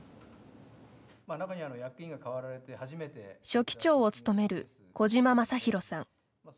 書記長を務める小嶋正弘さん。